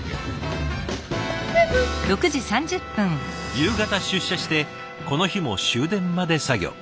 夕方出社してこの日も終電まで作業。